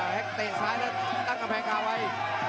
แฮคเตะซ้ายและตั้งกับแพงคาวัย